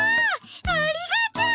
ありがとう！